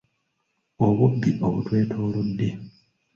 Obubbi obutwetoolodde.